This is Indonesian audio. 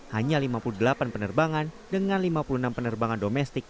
hanya lima puluh delapan penerbangan dengan lima puluh enam penerbangan domestik